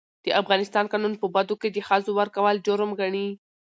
د افغانستان قانون په بدو کي د ښځو ورکول جرم ګڼي.